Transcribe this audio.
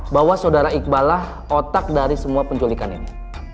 bahwa saudara iqbal lah otak dari semua penculikan ini